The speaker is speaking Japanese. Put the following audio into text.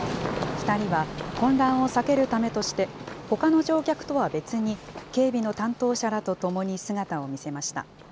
２人は混乱を避けるためとして、ほかの乗客とは別に、警備の担当者らと共に姿を見せました。